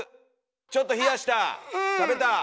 ちょっと冷やした食べたおいしい。